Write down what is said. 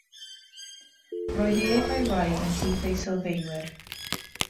Roedd ef a'i wraig ymhlith ei sylfaenwyr.